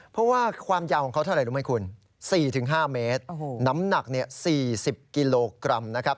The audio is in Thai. เพราะว่าความยาวของเขาเท่าไหร่รู้ไหมคุณ๔๕เมตรน้ำหนัก๔๐กิโลกรัมนะครับ